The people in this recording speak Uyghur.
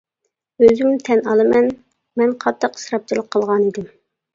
ئۆزۈم تەن ئالىمەن، مەن قاتتىق ئىسراپچىلىق قىلغانىدىم.